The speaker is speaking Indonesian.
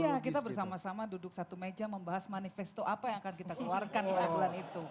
iya kita bersama sama duduk satu meja membahas manifesto apa yang akan kita keluarkan pada bulan itu